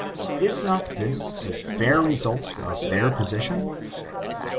Is not this a fair result of their position